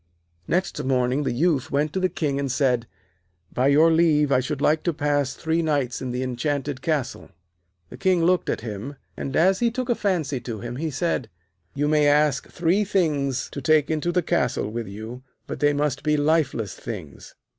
Next morning the Youth went to the King, and said: 'By your leave, I should like to pass three nights in the enchanted castle.' The King looked at him, and, as he took a fancy to him, he said: 'You may ask three things to take into the castle with you, but they must be lifeless things.'